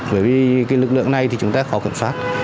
bởi vì lực lượng này chúng ta khó cẩn phát